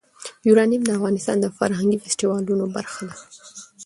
یورانیم د افغانستان د فرهنګي فستیوالونو برخه ده.